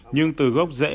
nhưng từ gốc rẽ